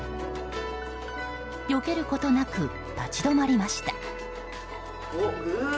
よけることなく立ち止まりました。